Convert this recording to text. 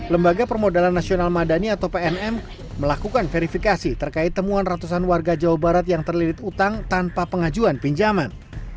lembaga permodalan nasional madani atau pnm melakukan verifikasi terkait temuan ratusan warga jawa barat yang terlirit utang tanpa pengajuan pinjaman